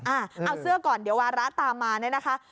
เอาเสื้อก่อนเดี๋ยววาระตามมาเนี่ยนะคะ